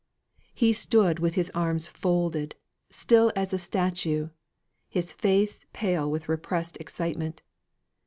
He stood with his arms folded; still as a statue; his face pale with repressed excitement.